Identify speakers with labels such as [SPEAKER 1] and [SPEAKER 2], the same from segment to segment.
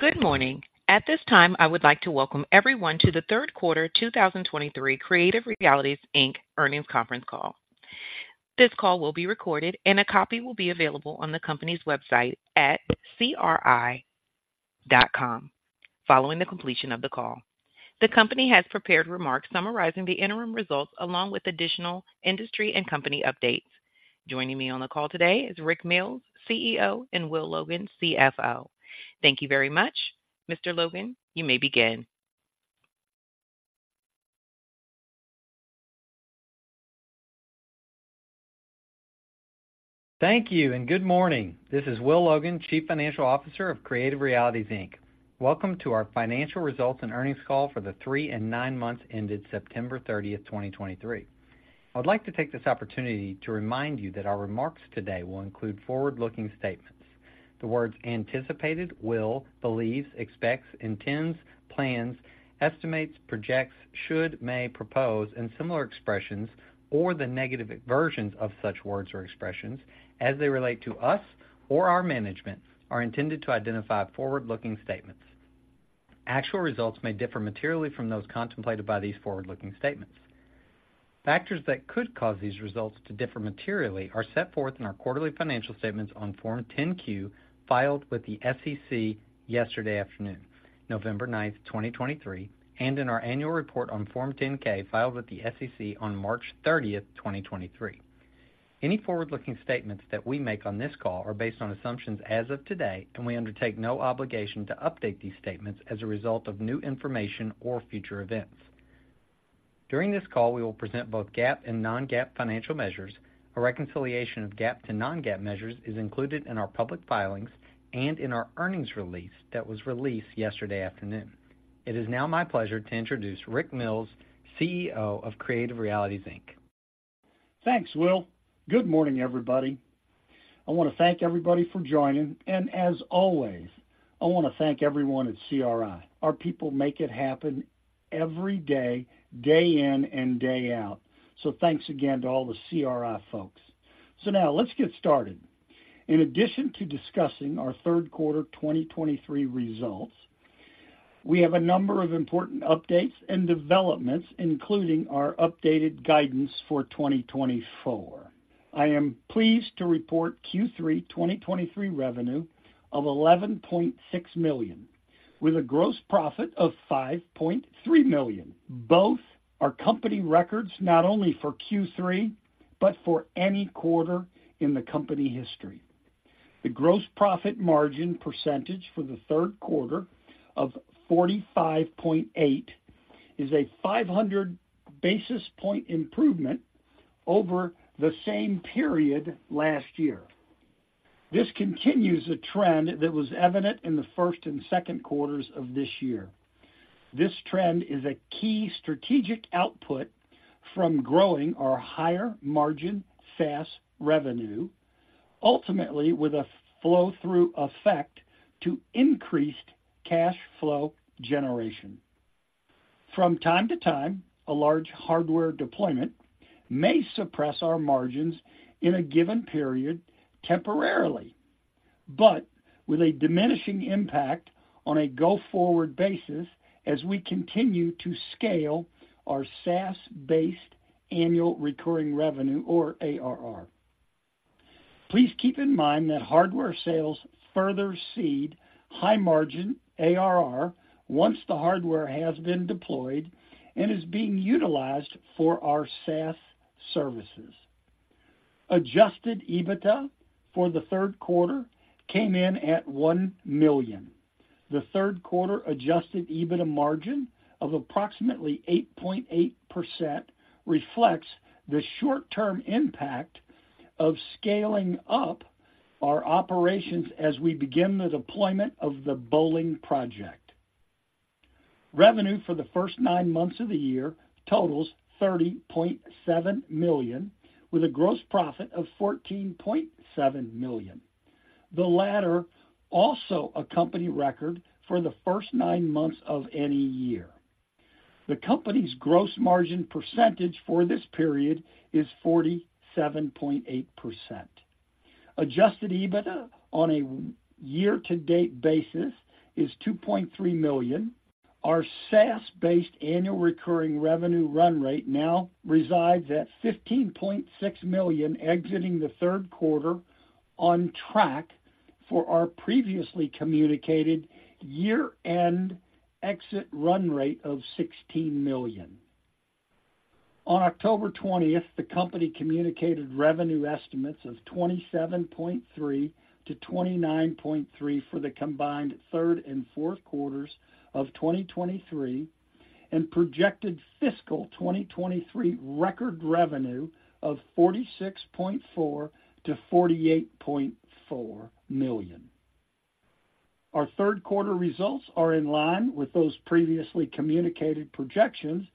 [SPEAKER 1] Good morning! At this time, I would like to welcome everyone to the Third Quarter 2023 Creative Realities, Inc Earnings Conference Call. This call will be recorded, and a copy will be available on the company's website at cri.com following the completion of the call. The company has prepared remarks summarizing the interim results, along with additional industry and company updates. Joining me on the call today is Rick Mills, CEO, and Will Logan, CFO. Thank you very much. Mr. Logan, you may begin.
[SPEAKER 2] Thank you, and good morning. This is Will Logan, Chief Financial Officer of Creative Realities, Inc. Welcome to our financial results and earnings call for the three and nine months ended September 30, 2023. I'd like to take this opportunity to remind you that our remarks today will include forward-looking statements. The words anticipated, will, believes, expects, intends, plans, estimates, projects, should, may, propose, and similar expressions or the negative versions of such words or expressions as they relate to us or our management, are intended to identify forward-looking statements. Actual results may differ materially from those contemplated by these forward-looking statements. Factors that could cause these results to differ materially are set forth in our quarterly financial statements on Form 10-Q, filed with the SEC yesterday afternoon, November 9, 2023, and in our annual report on Form 10-K, filed with the SEC on March 30, 2023. Any forward-looking statements that we make on this call are based on assumptions as of today, and we undertake no obligation to update these statements as a result of new information or future events. During this call, we will present both GAAP and non-GAAP financial measures. A reconciliation of GAAP to non-GAAP measures is included in our public filings and in our earnings release that was released yesterday afternoon. It is now my pleasure to introduce Rick Mills, CEO of Creative Realities, Inc.
[SPEAKER 3] Thanks, Will. Good morning, everybody. I want to thank everybody for joining, and as always, I want to thank everyone at CRI. Our people make it happen every day, day in and day out. So thanks again to all the CRI folks. So now let's get started. In addition to discussing our third quarter 2023 results, we have a number of important updates and developments, including our updated guidance for 2024. I am pleased to report Q3 2023 revenue of $11.6 million, with a gross profit of $5.3 million. Both are company records, not only for Q3, but for any quarter in the company history. The gross profit margin percentage for the third quarter of 45.8% is a 500 basis point improvement over the same period last year. This continues a trend that was evident in the first and second quarters of this year. This trend is a key strategic output from growing our higher-margin SaaS revenue, ultimately with a flow-through effect to increased cash flow generation. From time to time, a large hardware deployment may suppress our margins in a given period temporarily, but with a diminishing impact on a go-forward basis as we continue to scale our SaaS-based annual recurring revenue, or ARR. Please keep in mind that hardware sales further seed high-margin ARR once the hardware has been deployed and is being utilized for our SaaS services. Adjusted EBITDA for the third quarter came in at $1 million. The third quarter Adjusted EBITDA margin of approximately 8.8% reflects the short-term impact of scaling up our operations as we begin the deployment of the Bowling project. Revenue for the first nine months of the year totals $30.7 million, with a gross profit of $14.7 million. The latter, also a company record for the first nine months of any year. The company's gross margin percentage for this period is 47.8%. Adjusted EBITDA on a year-to-date basis is $2.3 million. Our SaaS-based annual recurring revenue run rate now resides at $15.6 million, exiting the third quarter on track for our previously communicated year-end exit run rate of $16 million. On October 20, the company communicated revenue estimates of $27.3-$29.3 million for the combined third and fourth quarters of 2023 and projected fiscal 2023 record revenue of $46.4 to $48.4 million. Our third quarter results are in line with those previously communicated projections,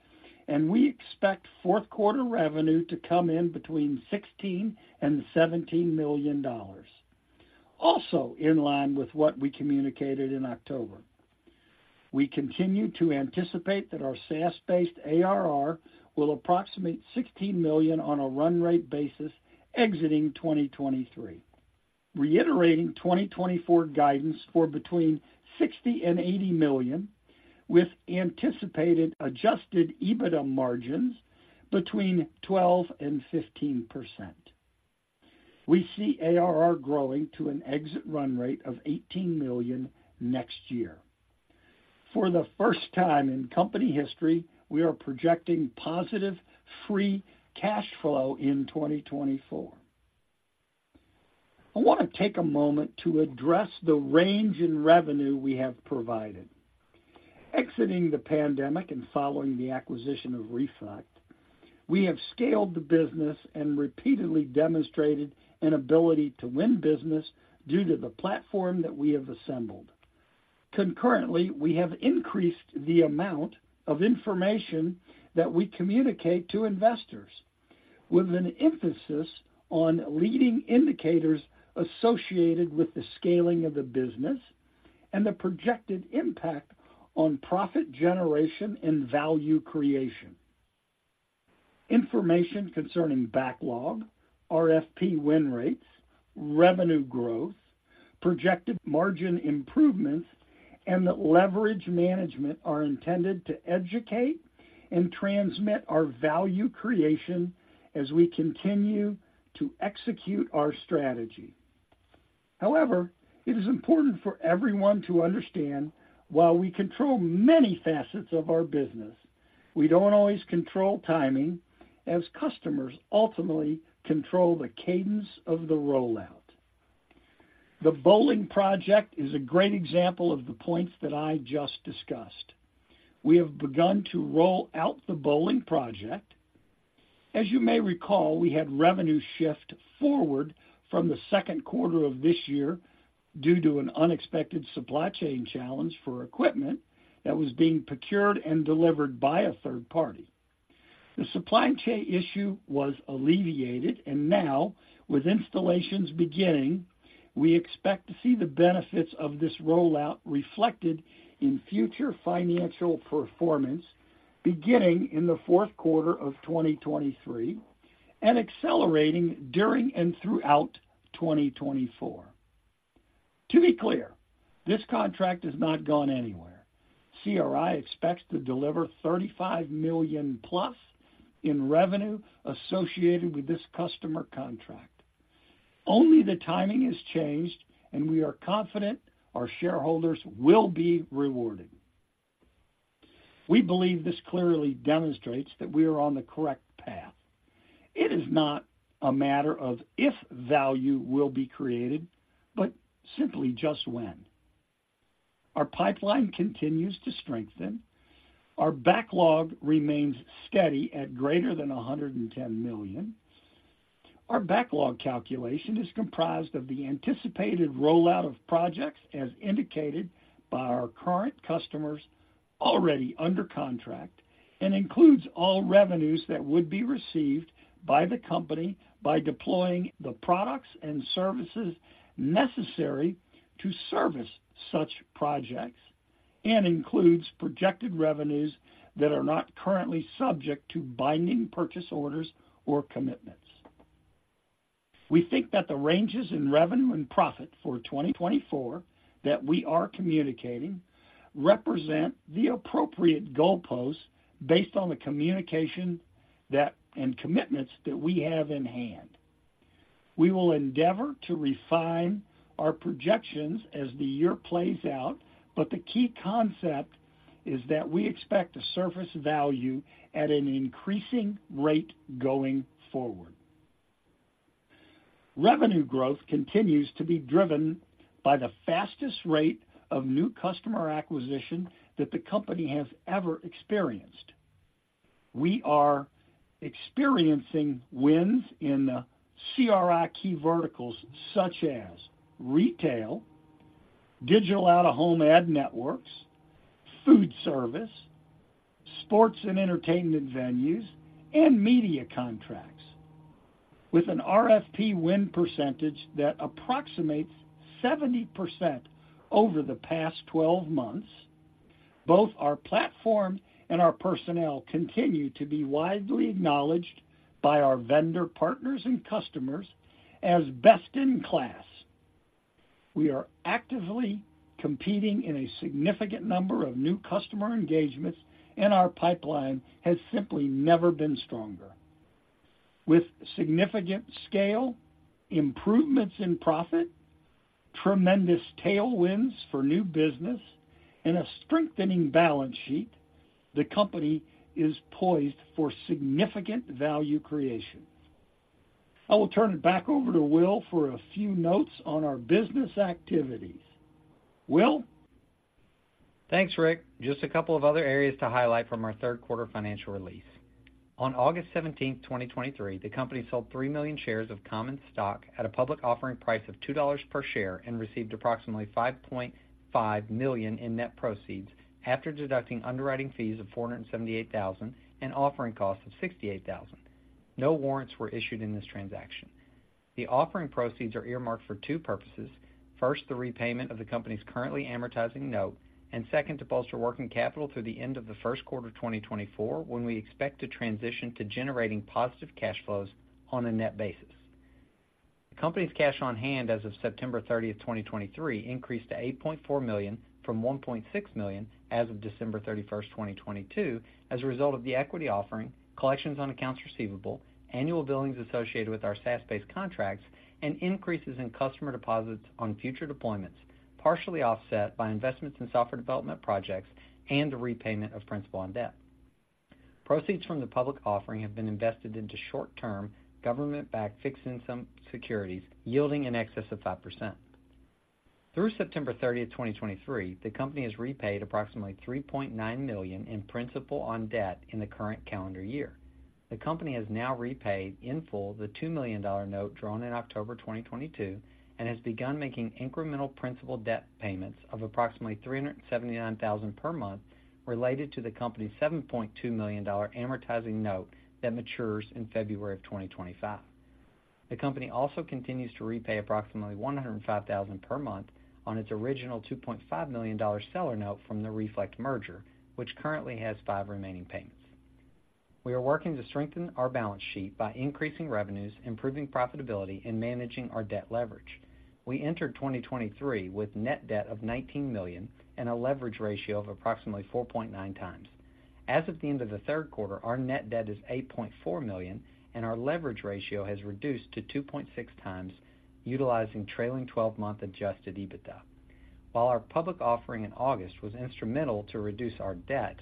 [SPEAKER 3] and we expect fourth quarter revenue to come in between $16 million-$17 million. Also in line with what we communicated in October. We continue to anticipate that our SaaS-based ARR will approximate $16 million on a run rate basis exiting 2023. Reiterating 2024 guidance for between $60 million-$80 million, with anticipated adjusted EBITDA margins between 12%-15%. We see ARR growing to an exit run rate of $18 million next year. For the first time in company history, we are projecting positive free cash flow in 2024. I want to take a moment to address the range in revenue we have provided. Exiting the pandemic and following the acquisition of Reflect, we have scaled the business and repeatedly demonstrated an ability to win business due to the platform that we have assembled. Concurrently, we have increased the amount of information that we communicate to investors, with an emphasis on leading indicators associated with the scaling of the business and the projected impact on profit generation and value creation. Information concerning backlog, RFP win rates, revenue growth, projected margin improvements, and the leverage management are intended to educate and transmit our value creation as we continue to execute our strategy. However, it is important for everyone to understand, while we control many facets of our business, we don't always control timing, as customers ultimately control the cadence of the rollout. The bowling project is a great example of the points that I just discussed. We have begun to roll out the bowling project. As you may recall, we had revenue shift forward from the second quarter of this year due to an unexpected supply chain challenge for equipment that was being procured and delivered by a third party. The supply chain issue was alleviated, and now, with installations beginning, we expect to see the benefits of this rollout reflected in future financial performance beginning in the fourth quarter of 2023 and accelerating during and throughout 2024. To be clear, this contract has not gone anywhere. CRI expects to deliver $35 million+ in revenue associated with this customer contract. Only the timing has changed, and we are confident our shareholders will be rewarded. We believe this clearly demonstrates that we are on the correct path. It is not a matter of if value will be created, but simply just when. Our pipeline continues to strengthen. Our backlog remains steady at greater than $110 million. Our backlog calculation is comprised of the anticipated rollout of projects, as indicated by our current customers already under contract, and includes all revenues that would be received by the company by deploying the products and services necessary to service such projects, and includes projected revenues that are not currently subject to binding purchase orders or commitments. We think that the ranges in revenue and profit for 2024 that we are communicating represent the appropriate goalposts based on the communication that and commitments that we have in hand. We will endeavor to refine our projections as the year plays out, but the key concept is that we expect to surface value at an increasing rate going forward. Revenue growth continues to be driven by the fastest rate of new customer acquisition that the company has ever experienced. We are experiencing wins in the CRI key verticals such as retail, digital out-of-home ad networks, food service, sports and entertainment venues, and media contracts. With an RFP win percentage that approximates 70% over the past 12 months, both our platform and our personnel continue to be widely acknowledged by our vendor, partners, and customers as best-in-class. We are actively competing in a significant number of new customer engagements, and our pipeline has simply never been stronger. With significant scale, improvements in profit, tremendous tailwinds for new business, and a strengthening balance sheet, the company is poised for significant value creation. I will turn it back over to Will for a few notes on our business activities. Will?
[SPEAKER 2] Thanks, Rick. Just a couple of other areas to highlight from our third quarter financial release. On August 17, 2023, the company sold 3 million shares of common stock at a public offering price of $2 per share and received approximately $5.5 million in net proceeds after deducting underwriting fees of $478,000 and offering costs of $68,000. No warrants were issued in this transaction. The offering proceeds are earmarked for two purposes. First, the repayment of the company's currently amortizing note, and second, to bolster working capital through the end of the first quarter of 2024, when we expect to transition to generating positive cash flows on a net basis. The company's cash on hand as of September 30th, 2023, increased to $8.4 million from $1.6 million as of December 31st, 2022, as a result of the equity offering, collections on accounts receivable, annual billings associated with our SaaS-based contracts, and increases in customer deposits on future deployments, partially offset by investments in software development projects and the repayment of principal and debt. Proceeds from the public offering have been invested into short-term government-backed fixed income securities, yielding in excess of 5%. Through September 30th, 2023, the company has repaid approximately $3.9 million in principal on debt in the current calendar year. The company has now repaid in full the $2 million note drawn in October 2022, and has begun making incremental principal debt payments of approximately $379,000 per month related to the company's $7.2 million amortizing note that matures in February 2025. The company also continues to repay approximately $105,000 per month on its original $2.5 million seller note from the Reflect merger, which currently has five remaining payments. We are working to strengthen our balance sheet by increasing revenues, improving profitability, and managing our debt leverage. We entered 2023 with net debt of $19 million and a leverage ratio of approximately 4.9 times. As of the end of the third quarter, our net debt is $8.4 million, and our leverage ratio has reduced to 2.6 times, utilizing trailing twelve-month Adjusted EBITDA. While our public offering in August was instrumental to reduce our debt,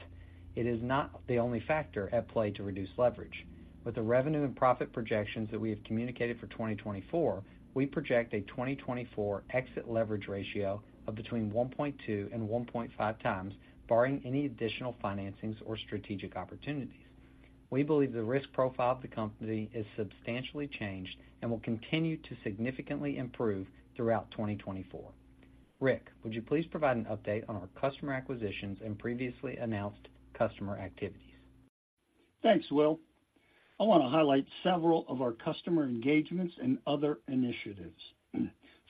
[SPEAKER 2] it is not the only factor at play to reduce leverage. With the revenue and profit projections that we have communicated for 2024, we project a 2024 exit leverage ratio of between 1.2 and 1.5 times, barring any additional financings or strategic opportunities. We believe the risk profile of the company is substantially changed and will continue to significantly improve throughout 2024. Rick, would you please provide an update on our customer acquisitions and previously announced customer activities?
[SPEAKER 3] Thanks, Will. I want to highlight several of our customer engagements and other initiatives.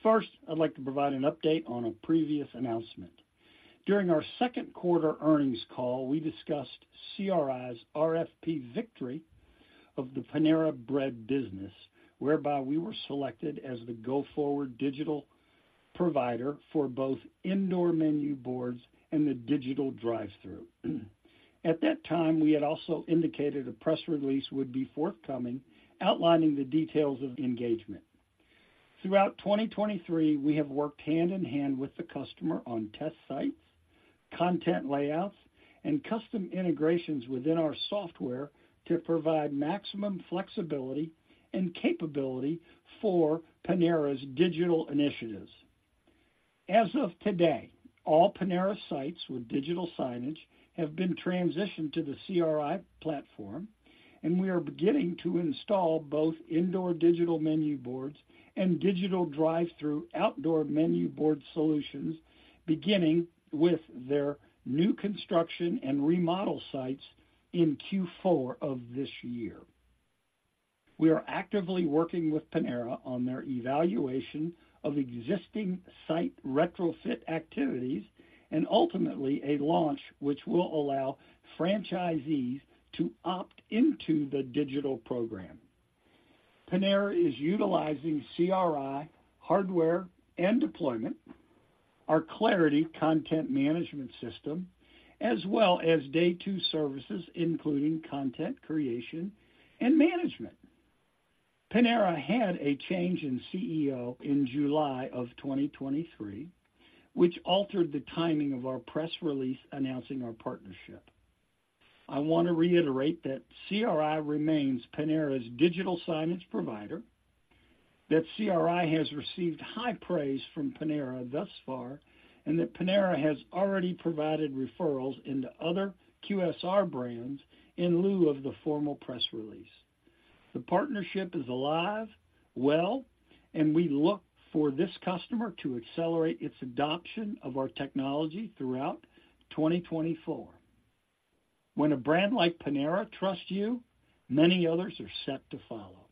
[SPEAKER 3] First, I'd like to provide an update on a previous announcement. During our second quarter earnings call, we discussed CRI's RFP victory of the Panera Bread business, whereby we were selected as the go-forward digital provider for both indoor menu boards and the digital drive-thru. At that time, we had also indicated a press release would be forthcoming, outlining the details of engagement. Throughout 2023, we have worked hand-in-hand with the customer on test sites, content layouts, and custom integrations within our software to provide maximum flexibility and capability for Panera's digital initiatives. As of today, all Panera sites with digital signage have been transitioned to the CRI platform, and we are beginning to install both indoor digital menu boards and digital drive-thru outdoor menu board solutions, beginning with their new construction and remodel sites in Q4 of this year. We are actively working with Panera on their evaluation of existing site retrofit activities and ultimately a launch which will allow franchisees to opt into the digital program. Panera is utilizing CRI hardware and deployment, our Clarity content management system, as well as day two services, including content creation and management. Panera had a change in CEO in July of 2023, which altered the timing of our press release announcing our partnership. I want to reiterate that CRI remains Panera's digital signage provider, that CRI has received high praise from Panera thus far, and that Panera has already provided referrals into other QSR brands in lieu of the formal press release. The partnership is alive, well, and we look for this customer to accelerate its adoption of our technology throughout 2024. When a brand like Panera trusts you, many others are set to follow.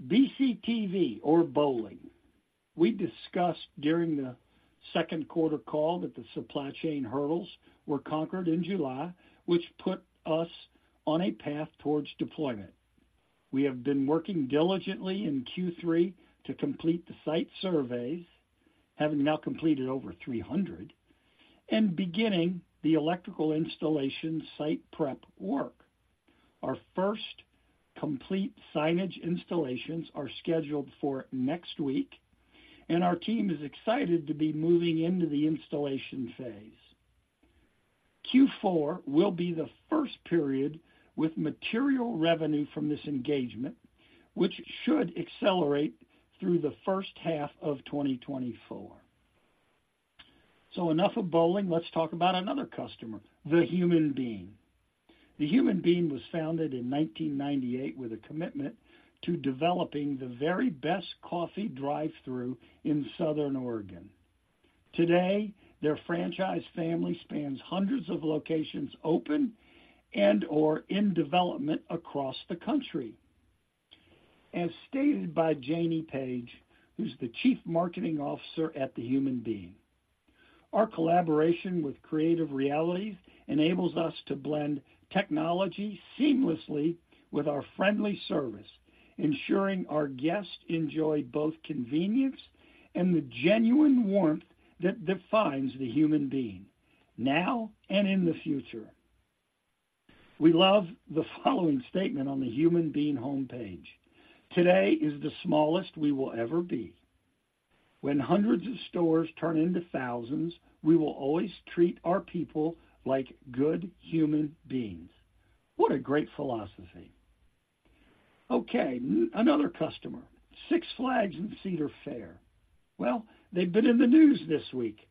[SPEAKER 3] BCTV or bowling. We discussed during the second quarter call that the supply chain hurdles were conquered in July, which put us on a path towards deployment. We have been working diligently in Q3 to complete the site surveys, having now completed over 300, and beginning the electrical installation site prep work. Our first complete signage installations are scheduled for next week, and our team is excited to be moving into the installation phase. Q4 will be the first period with material revenue from this engagement, which should accelerate through the first half of 2024. So enough of bowling. Let's talk about another customer, The Human Bean. The Human Bean was founded in 1998 with a commitment to developing the very best coffee drive-thru in Southern Oregon. Today, their franchise family spans hundreds of locations open and/or in development across the country. As stated by Janie Page, who's the Chief Marketing Officer at The Human Bean, "Our collaboration with Creative Realities enables us to blend technology seamlessly with our friendly service, ensuring our guests enjoy both convenience and the genuine warmth that defines The Human Bean, now and in the future." We love the following statement on The Human Bean homepage: "Today is the smallest we will ever be. When hundreds of stores turn into thousands, we will always treat our people like good human beings." What a great philosophy! Okay, another customer, Six Flags and Cedar Fair. Well, they've been in the news this week.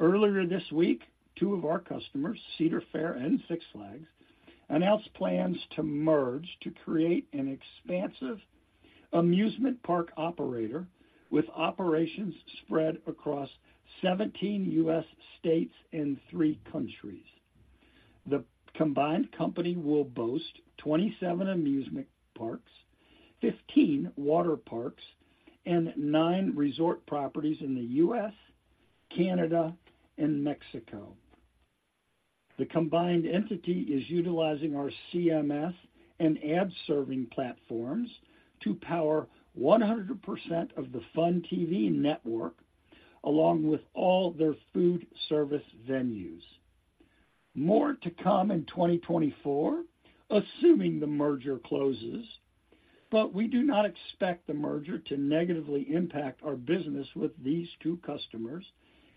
[SPEAKER 3] Earlier this week, two of our customers, Cedar Fair and Six Flags, announced plans to merge to create an expansive amusement park operator with operations spread across 17 U.S. states and three countries. The combined company will boast 27 amusement parks, 15 water parks, and 9 resort properties in the U.S., Canada, and Mexico. The combined entity is utilizing our CMS and ad serving platforms to power 100% of the FunTV network, along with all their food service venues. More to come in 2024, assuming the merger closes, but we do not expect the merger to negatively impact our business with these two customers,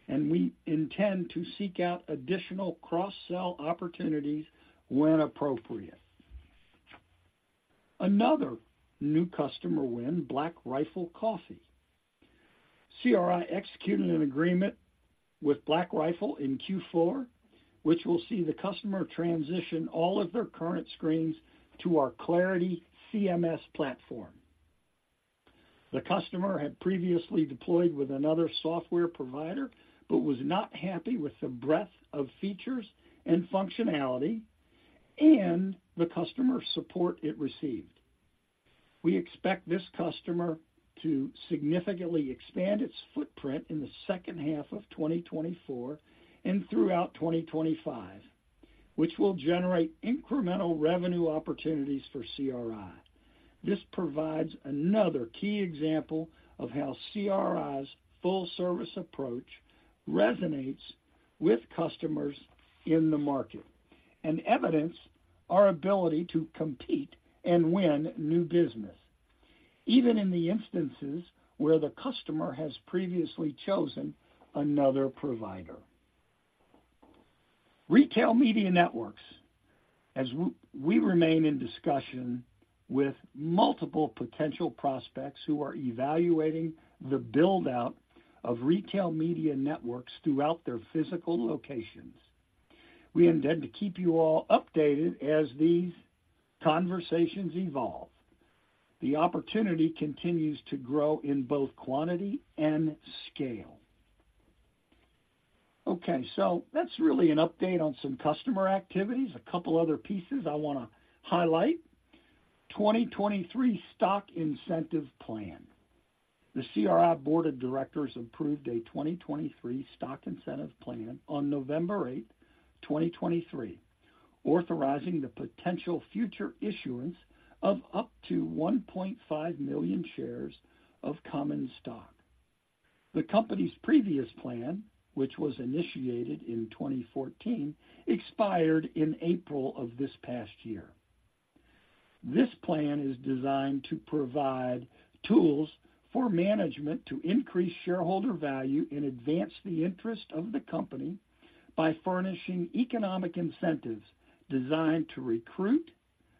[SPEAKER 3] and we intend to seek out additional cross-sell opportunities when appropriate. Another new customer win, Black Rifle Coffee. CRI executed an agreement with Black Rifle in Q4, which will see the customer transition all of their current screens to our Clarity CMS platform. The customer had previously deployed with another software provider, but was not happy with the breadth of features and functionality and the customer support it received. We expect this customer to significantly expand its footprint in the second half of 2024 and throughout 2025, which will generate incremental revenue opportunities for CRI. This provides another key example of how CRI's full service approach resonates with customers in the market and evidence our ability to compete and win new business, even in the instances where the customer has previously chosen another provider. Retail media networks. As we remain in discussion with multiple potential prospects who are evaluating the build-out of retail media networks throughout their physical locations. We intend to keep you all updated as these conversations evolve. The opportunity continues to grow in both quantity and scale. Okay, so that's really an update on some customer activities. A couple other pieces I want to highlight. 2023 stock incentive plan. The CRI Board of Directors approved a 2023 stock incentive plan on November 8, 2023, authorizing the potential future issuance of up to 1.5 million shares of common stock. The company's previous plan, which was initiated in 2014, expired in April of this past year. This plan is designed to provide tools for management to increase shareholder value and advance the interest of the company by furnishing economic incentives designed to recruit,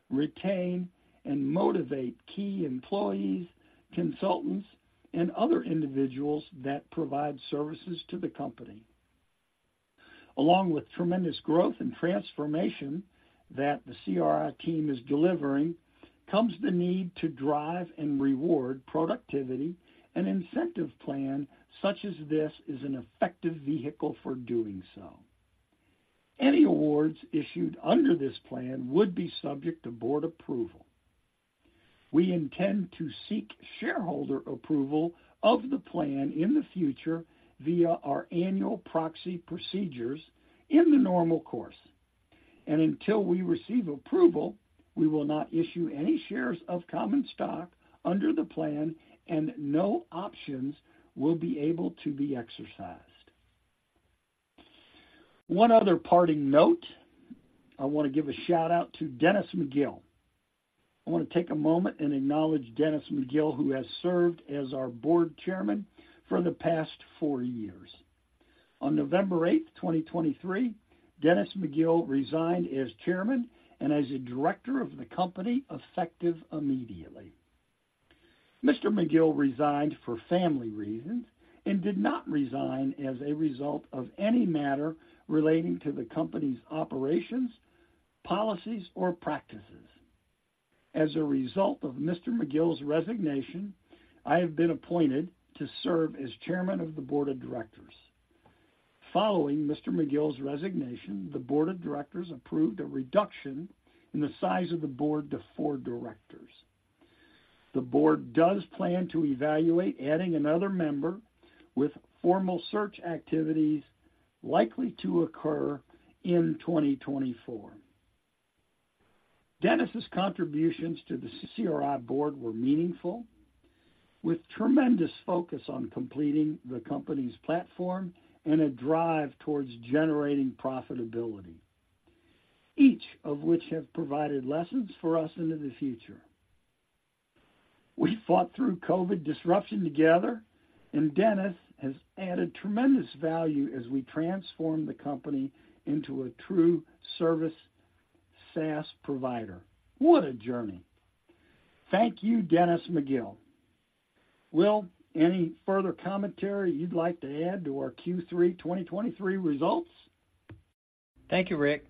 [SPEAKER 3] retain, and motivate key employees, consultants, and other individuals that provide services to the company. Along with tremendous growth and transformation that the CRI team is delivering, comes the need to drive and reward productivity. An incentive plan such as this is an effective vehicle for doing so. Any awards issued under this plan would be subject to board approval. We intend to seek shareholder approval of the plan in the future via our annual proxy procedures in the normal course, and until we receive approval, we will not issue any shares of common stock under the plan, and no options will be able to be exercised. One other parting note. I want to give a shout-out to Dennis McGill. I want to take a moment and acknowledge Dennis McGill, who has served as our Board Chairman for the past four years. On November 8th, 2023, Dennis McGill resigned as Chairman and as a director of the company, effective immediately. Mr. McGill resigned for family reasons and did not resign as a result of any matter relating to the company's operations, policies, or practices. As a result of Mr. McGill's resignation, I have been appointed to serve as Chairman of the board of directors. Following Mr. McGill's resignation, the board of directors approved a reduction in the size of the board to four directors. The board does plan to evaluate adding another member, with formal search activities likely to occur in 2024. Dennis's contributions to the CRI board were meaningful, with tremendous focus on completing the company's platform and a drive towards generating profitability, each of which have provided lessons for us into the future. We fought through COVID disruption together, and Dennis has added tremendous value as we transformed the company into a true service SaaS provider. What a journey! Thank you, Dennis McGill. Will, any further commentary you'd like to add to our Q3 2023 results?
[SPEAKER 2] Thank you, Rick.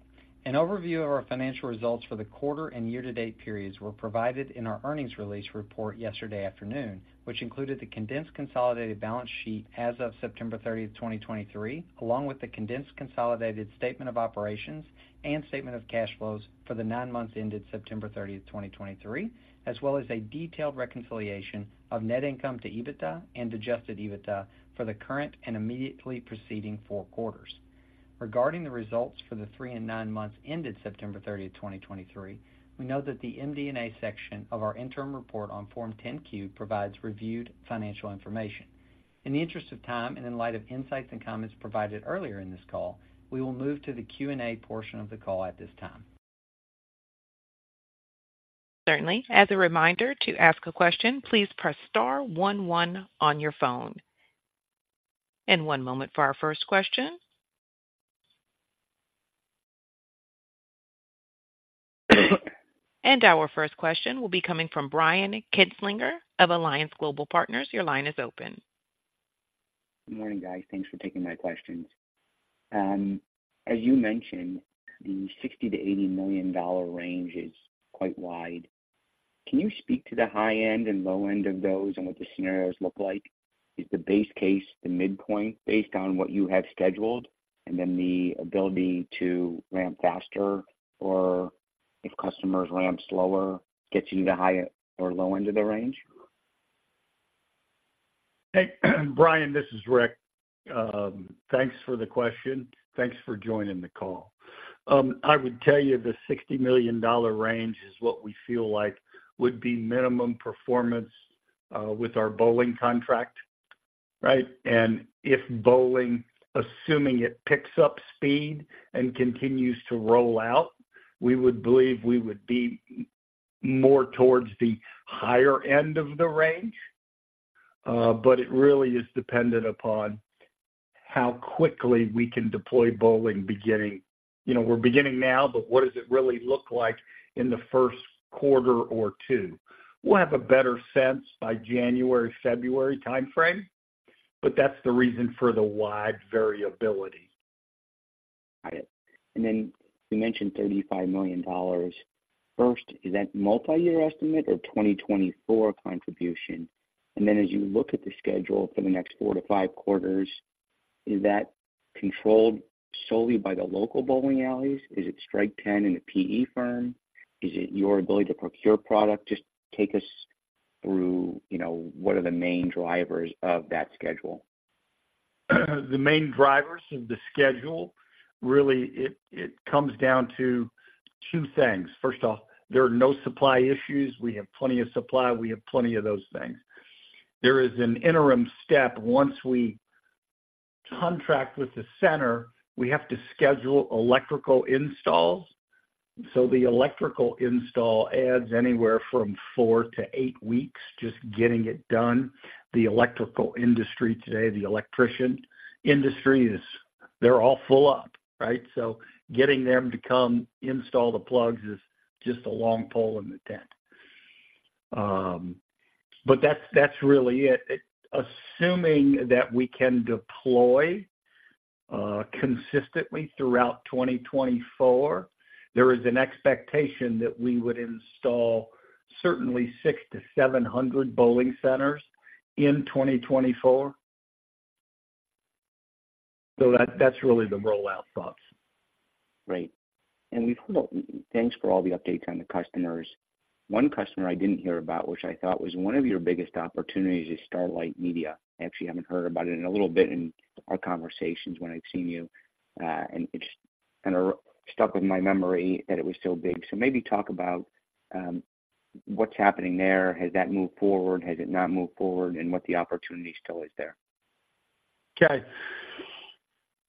[SPEAKER 2] An overview of our financial results for the quarter and year-to-date periods were provided in our earnings release report yesterday afternoon, which included the condensed consolidated balance sheet as of September 30, 2023, along with the condensed consolidated statement of operations and statement of cash flows for the nine months ended September 30, 2023, as well as a detailed reconciliation of net income to EBITDA and adjusted EBITDA for the current and immediately preceding four quarters. Regarding the results for the three and nine months ended September 30, 2023, we know that the MD&A section of our interim report on Form 10-Q provides reviewed financial information. In the interest of time and in light of insights and comments provided earlier in this call, we will move to the Q&A portion of the call at this time.
[SPEAKER 1] Certainly. As a reminder, to ask a question, please press star one, one on your phone. One moment for our first question. Our first question will be coming from Brian Kinstlinger of Alliance Global Partners. Your line is open.
[SPEAKER 4] Good morning, guys. Thanks for taking my questions. As you mentioned, the $60 million to $80 million range is quite wide. Can you speak to the high end and low end of those and what the scenarios look like? Is the base case, the midpoint, based on what you have scheduled, and then the ability to ramp faster, or if customers ramp slower, gets you to high or low end of the range?
[SPEAKER 3] Hey, Brian, this is Rick. Thanks for the question. Thanks for joining the call. I would tell you the $60 million range is what we feel like would be minimum performance with our bowling contract, right? And if bowling, assuming it picks up speed and continues to roll out, we would believe we would be more towards the higher end of the range. But it really is dependent upon how quickly we can deploy bowling beginning, you know, we're beginning now, but what does it really look like in the first quarter or two? We'll have a better sense by January, February time frame, but that's the reason for the wide variability.
[SPEAKER 4] Got it. And then you mentioned $35 million. First, is that multi-year estimate or 2024 contribution? And then as you look at the schedule for the next four to five quarters, is that controlled solely by the local bowling alleys? Is it Strike Ten and the PE firm? Is it your ability to procure product? Just take us through, you know, what are the main drivers of that schedule.
[SPEAKER 3] The main drivers of the schedule, really, it comes down to two things. First off, there are no supply issues. We have plenty of supply. We have plenty of those things. There is an interim step. Once we contract with the center, we have to schedule electrical installs. So the electrical install adds anywhere from four to eight weeks, just getting it done. The electrical industry today, the electrician industry, is they're all full up, right? So getting them to come install the plugs is just a long pole in the tent. But that's really it. Assuming that we can deploy consistently throughout 2024, there is an expectation that we would install certainly 600-700 bowling centers in 2024. So that's really the rollout thoughts.
[SPEAKER 4] Great. And we've heard, thanks for all the updates on the customers. One customer I didn't hear about, which I thought was one of your biggest opportunities, is Starlite Media. I actually haven't heard about it in a little bit in our conversations when I've seen you, and it's kind of stuck with my memory that it was so big. So maybe talk about what's happening there. Has that moved forward? Has it not moved forward? And what the opportunity still is there.
[SPEAKER 3] Okay,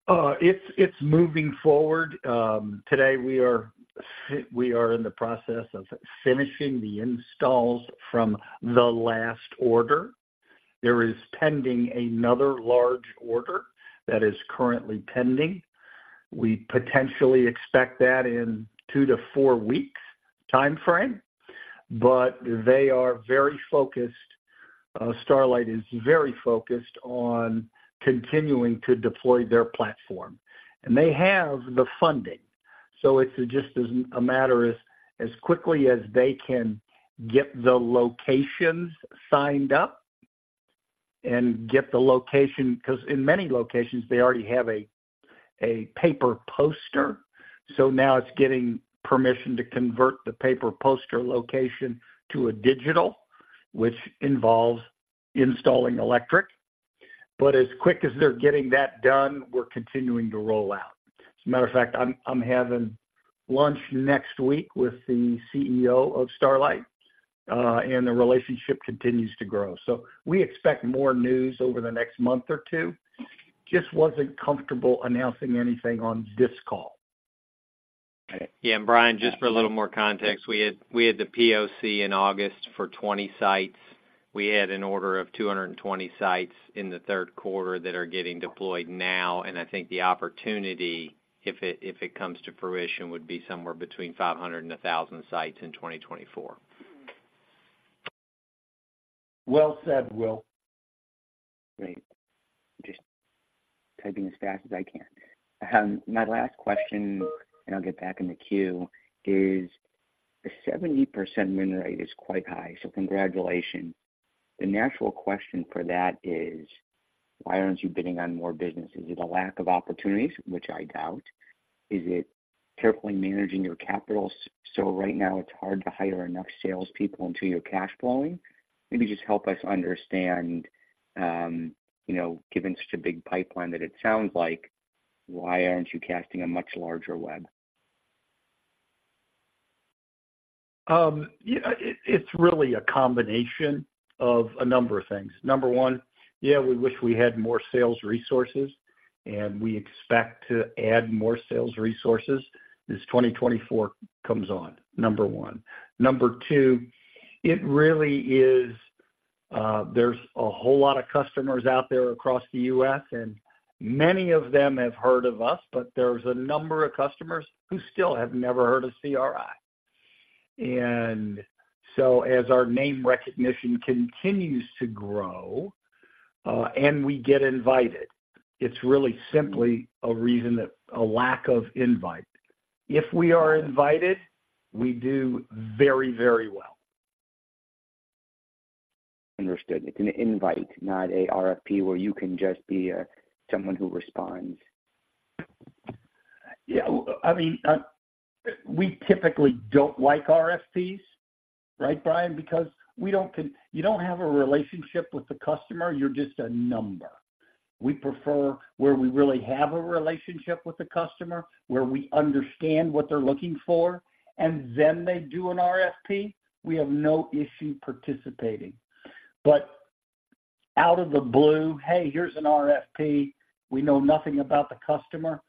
[SPEAKER 3] it's moving forward. Today we are in the process of finishing the installs from the last order. There is pending another large order that is currently pending. We potentially expect that in two to four weeks timeframe, but they are very focused on continuing to deploy their platform, and they have the funding. So it's just a matter of as quickly as they can get the locations signed up and get the location, because in many locations they already have a paper poster. So now it's getting permission to convert the paper poster location to a digital, which involves installing electric. But as quick as they're getting that done, we're continuing to roll out. As a matter of fact, I'm having lunch next week with the CEO of Starlite, and the relationship continues to grow. So we expect more news over the next month or two. Just wasn't comfortable announcing anything on this call.
[SPEAKER 2] Yeah, and Brian, just for a little more context, we had, we had the POC in August for 20 sites. We had an order of 220 sites in the third quarter that are getting deployed now, and I think the opportunity, if it comes to fruition, would be somewhere between 500 and 1,000 sites in 2024.
[SPEAKER 3] Well said, Will.
[SPEAKER 4] Great. Just typing as fast as I can. My last question, and I'll get back in the queue, is the 70% win rate is quite high, so congratulations. The natural question for that is: why aren't you bidding on more business? Is it a lack of opportunities, which I doubt? Is it carefully managing your capital, so right now it's hard to hire enough salespeople until you're cash flowing? Maybe just help us understand, you know, given such a big pipeline that it sounds like, why aren't you casting a much larger web?
[SPEAKER 3] Yeah, it, it's really a combination of a number of things. Number one, yeah, we wish we had more sales resources, and we expect to add more sales resources as 2024 comes on, number one. Number two, it really is, there's a whole lot of customers out there across the U.S., and many of them have heard of us, but there's a number of customers who still have never heard of CRI. And so as our name recognition continues to grow, and we get invited, it's really simply a reason, that a lack of invite. If we are invited, we do very, very well.
[SPEAKER 4] Understood. It's an invite, not a RFP, where you can just be someone who responds.
[SPEAKER 3] Yeah, well, I mean, we typically don't like RFPs, right, Brian? Because we don't, you don't have a relationship with the customer. You're just a number. We prefer where we really have a relationship with the customer, where we understand what they're looking for, and then they do an RFP. We have no issue participating. But out of the blue, "Hey, here's an RFP," we know nothing about the customer,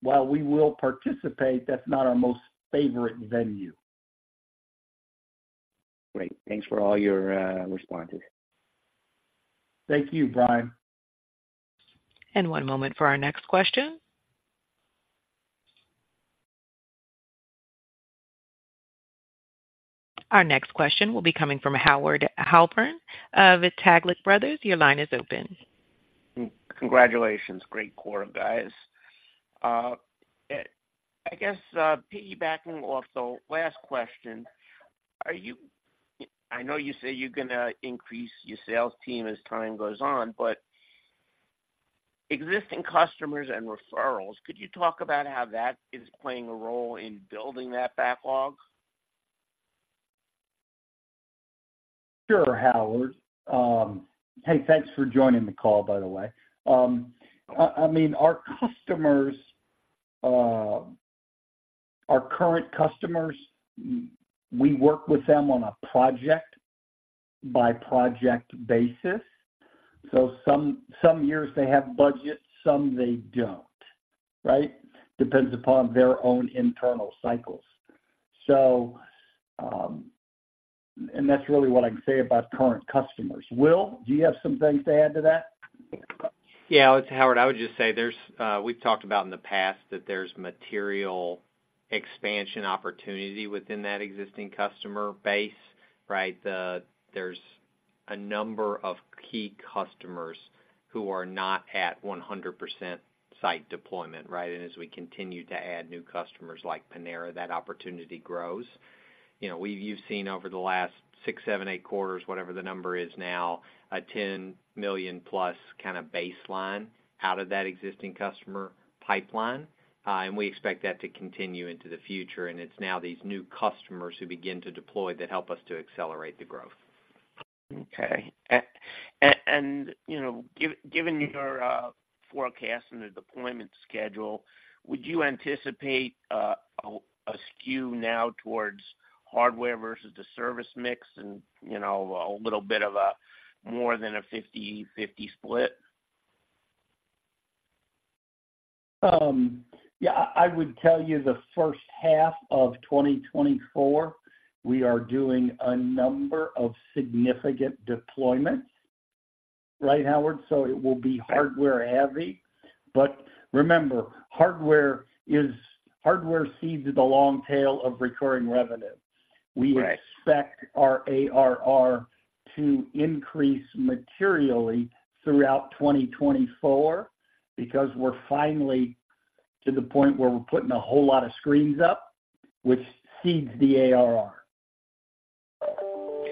[SPEAKER 3] while we will participate, that's not our most favorite venue.
[SPEAKER 4] Great. Thanks for all your responses.
[SPEAKER 3] Thank you, Brian.
[SPEAKER 1] One moment for our next question. Our next question will be coming from Howard Halpern of Taglich Brothers. Your line is open.
[SPEAKER 5] Congratulations. Great quarter, guys. I guess, piggybacking off the last question, are you- I know you say you're gonna increase your sales team as time goes on, but existing customers and referrals, could you talk about how that is playing a role in building that backlog?
[SPEAKER 3] Sure, Howard. Hey, thanks for joining the call, by the way. I mean, our current customers, we work with them on a project-by-project basis. So some years they have budgets, some they don't, right? Depends upon their own internal cycles. And that's really what I can say about current customers. Will, do you have some things to add to that?
[SPEAKER 2] Yeah, Howard, I would just say there's, we've talked about in the past that there's material expansion opportunity within that existing customer base, right? There's a number of key customers who are not at 100% site deployment, right? And as we continue to add new customers like Panera, that opportunity grows. You know, we've, you've seen over the last six, seven, eight quarters, whatever the number is now, a $10 million+ kind of baseline out of that existing customer pipeline. And we expect that to continue into the future, and it's now these new customers who begin to deploy that help us to accelerate the growth.
[SPEAKER 5] Okay. And, you know, giving your forecast and the deployment schedule, would you anticipate a skew now towards hardware versus the service mix and, you know, a little bit of a more than a 50/50 split?
[SPEAKER 3] Yeah, I would tell you the first half of 2024, we are doing a number of significant deployments. Right, Howard? So it will be hardware-heavy. But remember, hardware is, hardware seeds the long tail of recurring revenue.
[SPEAKER 2] Right.
[SPEAKER 3] We expect our ARR to increase materially throughout 2024, because we're finally to the point where we're putting a whole lot of screens up, which seeds the ARR.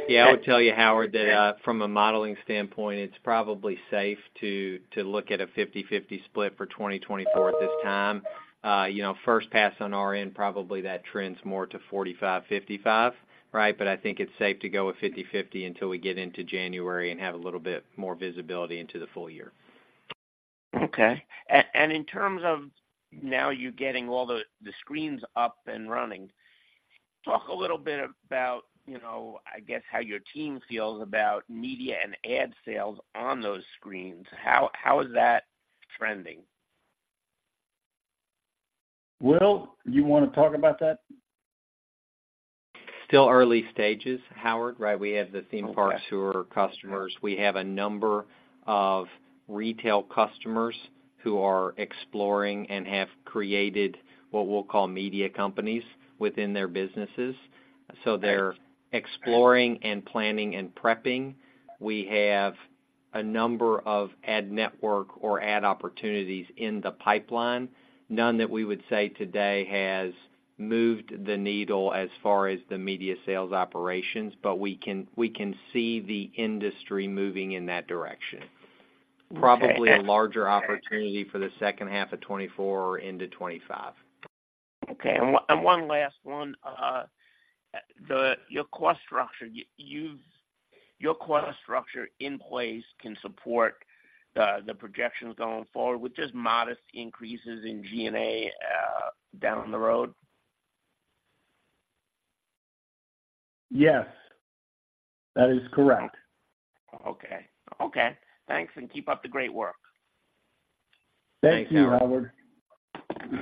[SPEAKER 2] Yeah, I would tell you, Howard, that from a modeling standpoint, it's probably safe to look at a 50/50 split for 2024 at this time. You know, first pass on our end, probably that trends more to 45-55, right? But I think it's safe to go with 50/50 until we get into January and have a little bit more visibility into the full year.
[SPEAKER 5] Okay. And in terms of now you getting all the screens up and running, talk a little bit about, you know, I guess, how your team feels about media and ad sales on those screens. How is that trending?
[SPEAKER 3] Will, you want to talk about that?
[SPEAKER 2] Still early stages, Howard, right? We have the theme park tour customers. We have a number of retail customers who are exploring and have created what we'll call media companies within their businesses. So they're exploring and planning and prepping. We have a number of ad network or ad opportunities in the pipeline. None that we would say today has moved the needle as far as the media sales operations, but we can, we can see the industry moving in that direction.
[SPEAKER 5] Okay.
[SPEAKER 2] Probably a larger opportunity for the second half of 2024 into 2025.
[SPEAKER 5] Okay. And one last one. Your cost structure in place can support the projections going forward, with just modest increases in G&A down the road?
[SPEAKER 3] Yes, that is correct.
[SPEAKER 5] Okay. Okay, thanks, and keep up the great work.
[SPEAKER 3] Thank you, Howard.
[SPEAKER 2] Thank you.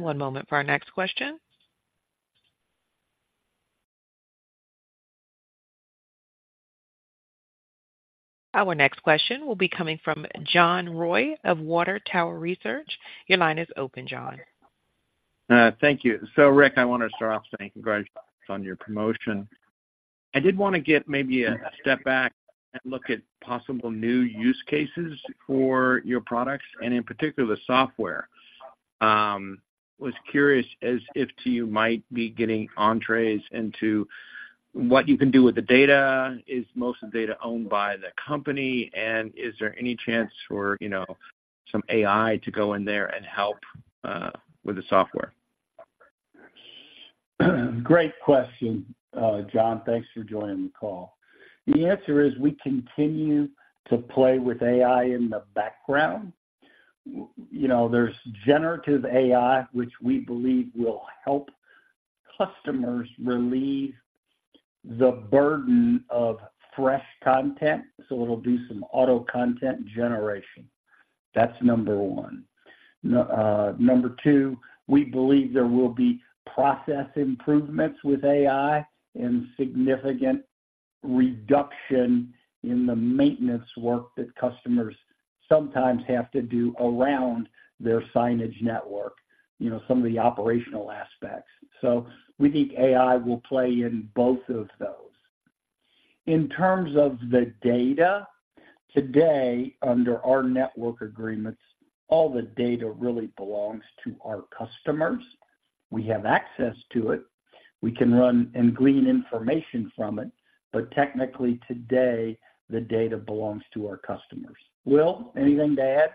[SPEAKER 1] One moment for our next question. Our next question will be coming from John Roy of Water Tower Research. Your line is open, John.
[SPEAKER 6] Thank you. So Rick, I want to start off saying congratulations on your promotion. I did want to get maybe a step back and look at possible new use cases for your products, and in particular, the software. Was curious as if to you might be getting entries into what you can do with the data. Is most of the data owned by the company? And is there any chance for, you know, some AI to go in there and help with the software?
[SPEAKER 3] Great question, John. Thanks for joining the call. The answer is we continue to play with AI in the background. You know, there's generative AI, which we believe will help customers relieve the burden of fresh content, so it'll do some auto content generation. That's number one. Number two, we believe there will be process improvements with AI and significant reduction in the maintenance work that customers sometimes have to do around their signage network, you know, some of the operational aspects. So we think AI will play in both of those. In terms of the data, today, under our network agreements, all the data really belongs to our customers. We have access to it. We can run and glean information from it, but technically, today, the data belongs to our customers. Will, anything to add?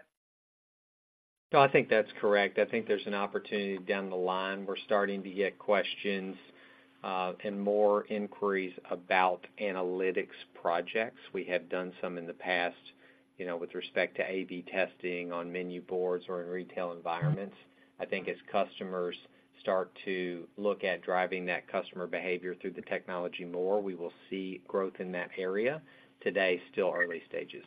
[SPEAKER 2] No, I think that's correct. I think there's an opportunity down the line. We're starting to get questions, and more inquiries about analytics projects. We have done some in the past, you know, with respect to A/B testing on menu boards or in retail environments. I think as customers start to look at driving that customer behavior through the technology more, we will see growth in that area. Today, still early stages.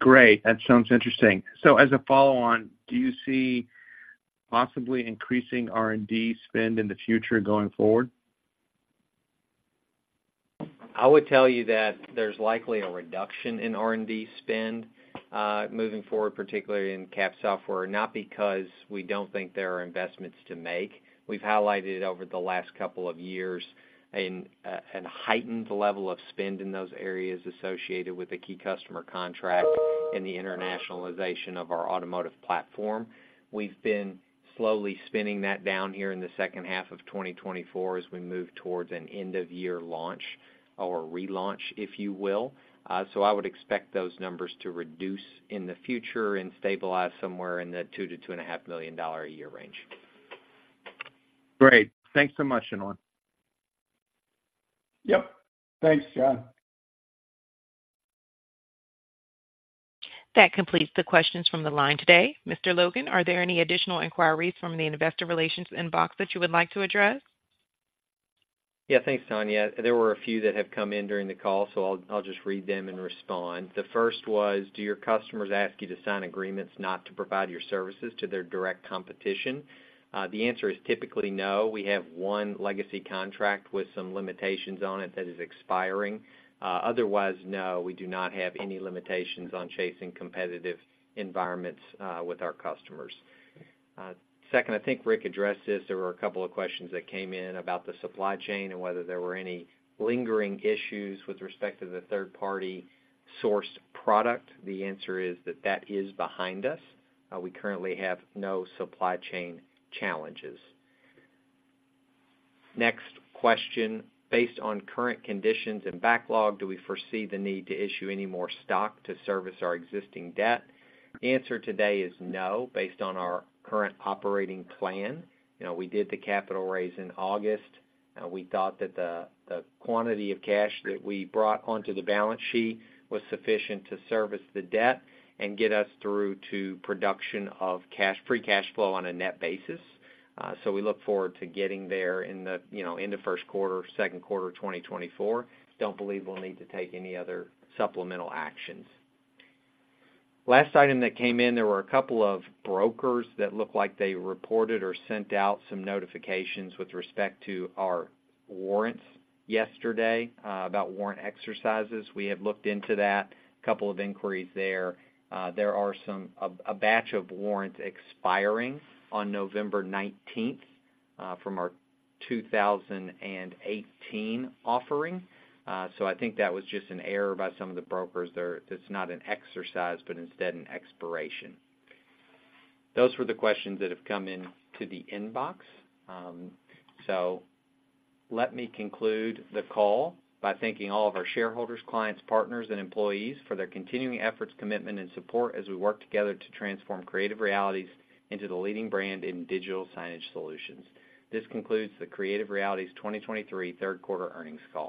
[SPEAKER 6] Great, that sounds interesting. So as a follow-on, do you see possibly increasing R&D spend in the future going forward?
[SPEAKER 2] I would tell you that there's likely a reduction in R&D spend, moving forward, particularly in cap software, not because we don't think there are investments to make. We've highlighted over the last couple of years an heightened level of spend in those areas associated with the key customer contract and the internationalization of our automotive platform. We've been slowly spinning that down here in the second half of 2024 as we move towards an end-of-year launch or relaunch, if you will. So I would expect those numbers to reduce in the future and stabilize somewhere in the $2 million to $2.5 million a year range.
[SPEAKER 6] Great. Thanks so much, gentlemen.
[SPEAKER 3] Yep. Thanks, John.
[SPEAKER 1] That completes the questions from the line today. Mr. Logan, are there any additional inquiries from the investor relations inbox that you would like to address?
[SPEAKER 2] Yeah, thanks, Tanya. There were a few that have come in during the call, so I'll just read them and respond. The first was: Do your customers ask you to sign agreements not to provide your services to their direct competition? The answer is typically no. We have one legacy contract with some limitations on it that is expiring. Otherwise, no, we do not have any limitations on chasing competitive environments with our customers. Second, I think Rick addressed this. There were a couple of questions that came in about the supply chain and whether there were any lingering issues with respect to the third-party sourced product. The answer is that that is behind us. We currently have no supply chain challenges. Next question: Based on current conditions and backlog, do we foresee the need to issue any more stock to service our existing debt? The answer today is no, based on our current operating plan. You know, we did the capital raise in August. We thought that the quantity of cash that we brought onto the balance sheet was sufficient to service the debt and get us through to production of cash, free cash flow on a net basis. So we look forward to getting there in the, you know, in the first quarter, second quarter of 2024. Don't believe we'll need to take any other supplemental actions. Last item that came in, there were a couple of brokers that looked like they reported or sent out some notifications with respect to our warrants yesterday, about warrant exercises. We have looked into that. A couple of inquiries there. There are some a batch of warrants expiring on November 19, from our 2018 offering. So I think that was just an error by some of the brokers there. It's not an exercise, but instead an expiration. Those were the questions that have come into the inbox. So let me conclude the call by thanking all of our shareholders, clients, partners, and employees for their continuing efforts, commitment, and support as we work together to transform Creative Realities into the leading brand in digital signage solutions. This concludes the Creative Realities 2023 third quarter earnings call.